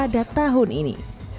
dan tahun ini